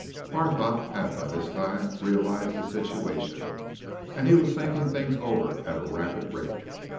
Barthorpe had by this time realized the situation. And he was thinking things over at a rapid rate.